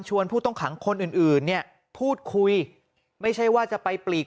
ผู้ต้องขังคนอื่นอื่นเนี่ยพูดคุยไม่ใช่ว่าจะไปปลีก